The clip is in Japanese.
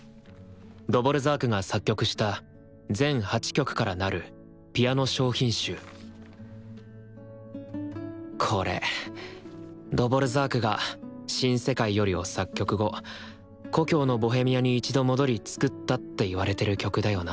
ドヴォルザークが作曲した全８曲からなるピアノ小品集これドヴォルザークが「新世界より」を作曲後故郷のボヘミアに一度戻り作ったって言われてる曲だよな。